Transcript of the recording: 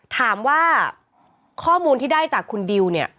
ถามว่าข้อมูลที่ได้จากคุณดิวเนี่ย